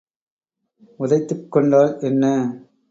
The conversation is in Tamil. உதைத்துக் கொண்டால் என்ன?